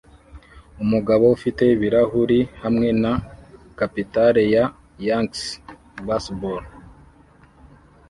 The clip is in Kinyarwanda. Umugabo ufite ibirahuri hamwe na capitale ya yankees baseball